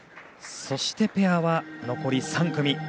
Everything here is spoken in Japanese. そして、ペアは残り３組。